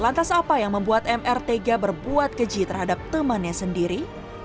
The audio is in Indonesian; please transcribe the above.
lantas apa yang membuat mr tega berbuat keji terhadap temannya sendiri